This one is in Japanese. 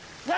何？